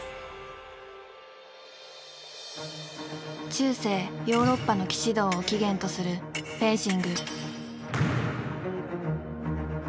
中世ヨーロッパの騎士道を起源とするフェンシング。